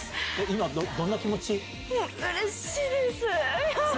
今、どんな気持ち？